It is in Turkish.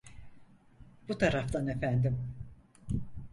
Bu taraftan efendim.